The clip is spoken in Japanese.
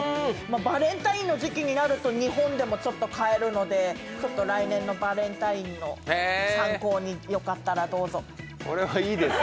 バレンタインの時期になると日本でも買えるので、来年のバレンタインの参考に、よかったらどうぞ。